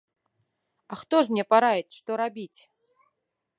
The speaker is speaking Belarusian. А хто ж мне параіць, што рабіць?